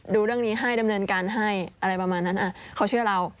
ดูเรื่องนี้ให้ดำเนินการให้อะไรประมาณนั้นเขาเชื่อเรา